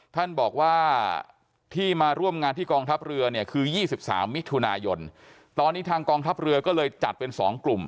ท่านบอกว่าที่มาร่วมงานที่กองทัพเรือเนี่ยคือ๒๓มิถุนายนตอนนี้ทางกองทัพเรือก็เลยจัดเป็น๒กลุ่ม